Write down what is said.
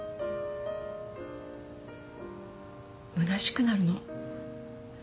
むなしくなるの。